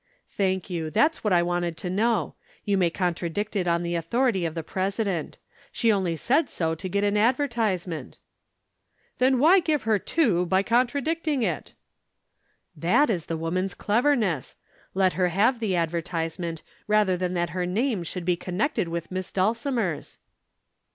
"Thank you. That's what I wanted to know. You may contradict it on the authority of the president. She only said so to get an advertisement." "Then why give her two by contradicting it?" "That is the woman's cleverness. Let her have the advertisement, rather than that her name should be connected with Miss Dulcimer's."